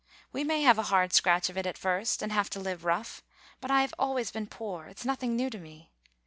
We may have a hard scratch of it at first, and have to live rough; but I have always been poor; it's nothing new to me.